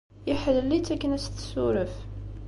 Iḥellel-itt akken ad as-tessuref.